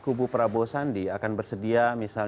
kubu prabowo sandi akan bersedia misalnya